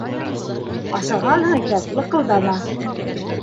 — Ашағанһың икән, лыҡылдама.